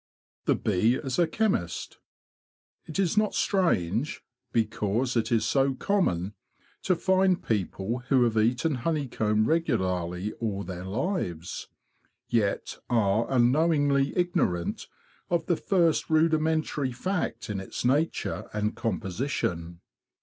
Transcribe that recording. The Bee as a Chemist It is not strange, because it is so common, to find people who have eaten honeycomb regularly all their lives, yet are unknowingly ignorant of the first rudimentary fact in its nature and composition.